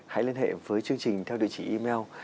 hãy liên hệ với chương trình theo địa chỉ email